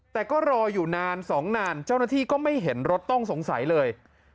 แต่ก็รออยู่นาน๒นานเจ้าหน้าที่ก็ไม่เห็นรถต้องสงสัยเลย